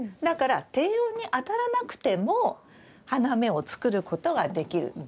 だから低温に当たらなくても花芽を作ることができる。